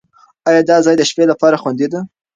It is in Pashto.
ایا دا ځای د شپې لپاره خوندي دی؟